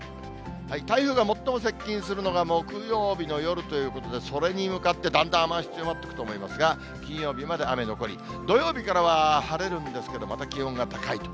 台風が最も接近するのが木曜日の夜ということで、それに向かってだんだん雨足強まっていくと思いますが、金曜日まで雨残り、土曜日からは晴れるんですけど、また気温が高いと。